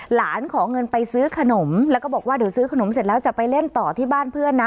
ขอเงินไปซื้อขนมแล้วก็บอกว่าเดี๋ยวซื้อขนมเสร็จแล้วจะไปเล่นต่อที่บ้านเพื่อนนะ